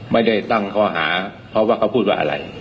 ไม่ได้ตั้งข้อหาเพราะว่าเขาพูดว่าอะไร